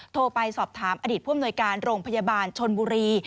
โทรไปสอบถามอดีตผู้อำนวยการโรงพยาบาลชนบุรี